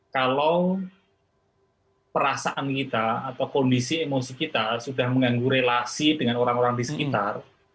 kalau perasaan kita atau kondisi emosi kita sudah mengganggu relasi dengan orang orang di sekitar